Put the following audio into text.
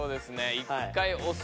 １回おす